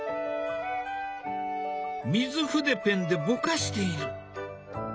水筆ペンでぼかしている。